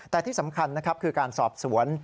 แต่ที่สำคัญนะครับคือการสอบสวน